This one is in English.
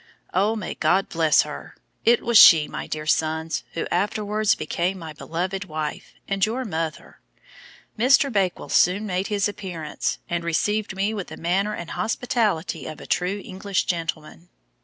Oh! may God bless her! It was she, my dear sons, who afterwards became my beloved wife, and your mother. Mr. Bakewell soon made his appearance, and received me with the manner and hospitality of a true English gentleman.